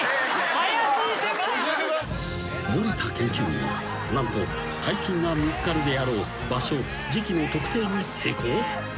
［森田研究員は何と大金が見つかるであろう場所時期の特定に成功？］